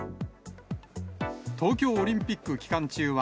東京オリンピック期間中は、